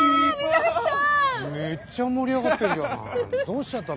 めっちゃ盛り上がってんじゃん。